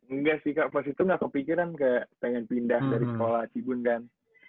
enggak sih kak pas itu gak kepikiran kayak pengen pindah dari sekolah cibun dan